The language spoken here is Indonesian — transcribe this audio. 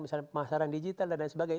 misalnya pemasaran digital dan lain sebagainya